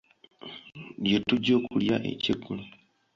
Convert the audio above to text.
Lye tujja okulya ekyeggulo.